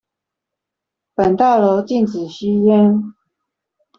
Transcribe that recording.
本大樓禁止吸煙